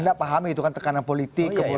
anda paham itu kan tekanan politik kemudian